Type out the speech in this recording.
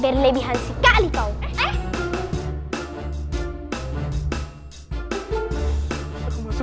beri lebih hansi kali kau